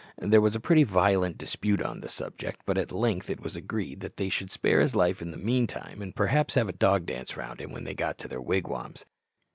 There was a pretty violent dispute on the subject, but at length it was agreed that they should spare his life in the meantime, and perhaps have a dog dance round him when they got to their wigwams.